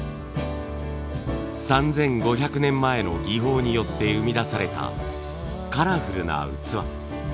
３，５００年前の技法によって生み出されたカラフルな器。